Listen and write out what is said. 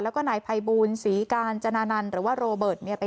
แล้วก็นายภัยบูลศรีกาญจนานันต์หรือว่าโรเบิร์ตเนี่ย